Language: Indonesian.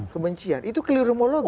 kebencian itu kelirumologi